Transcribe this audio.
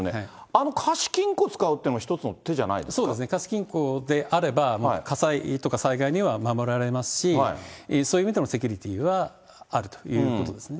あの貸金庫使うというのも、一つそうですね、貸金庫であれば火災とか災害には守られますし、そういう意味でのセキュリティーはあるということですね。